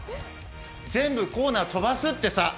全部コーナー飛ばすってさ。